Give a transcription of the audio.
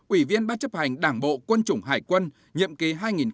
ủy viên ban chấp hành đảng bộ quân chủng hải quân nhậm ký hai nghìn năm hai nghìn một mươi